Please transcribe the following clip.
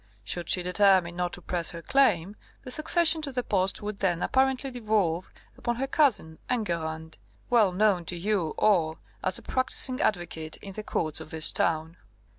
Should she determine not to press her claim, the succession to the post would then apparently devolve upon her cousin Enguerrand, well known to you all as a practising advocate in the courts of this town.